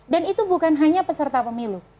dan itu bukan hanya peserta pemilu